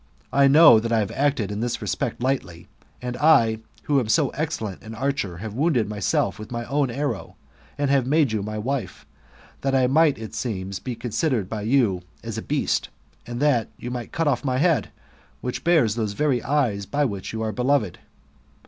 I know that I have acted in this respect lightly, and I, who am so excellent an archer, have wounded myself with my own arrow, and have made you my wife, that I might, it seems, be considered by you as a beast, and that you might cut off my head, which bears those very eyes by which you are beloved.